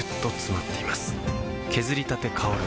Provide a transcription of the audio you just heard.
削りたて香る